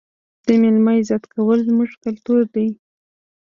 د مېلمه عزت کول زموږ کلتور دی.